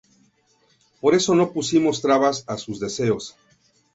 Por eso no pusimos trabas a sus deseos"".